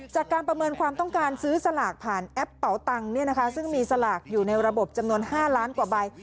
ประเมินความต้องการซื้อสลากผ่านแอปเป่าตังค์ซึ่งมีสลากอยู่ในระบบจำนวน๕ล้านกว่าใบ